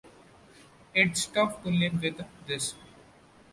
It's tough to live with this.